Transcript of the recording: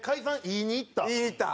言いに行った。